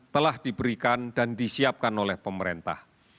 telah diberikan dan disiapkan oleh pemerintah